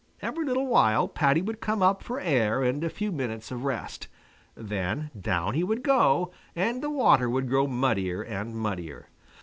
Every little while Paddy would come up for air and a few minutes of rest. Then down he would go, and the water would grow muddier and muddier.